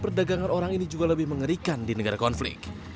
perdagangan orang ini juga lebih mengerikan di negara konflik